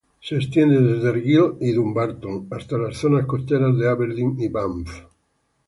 Se extienden desde Argyll y Dumbarton hasta las zonas costeras de Aberdeen y Banff.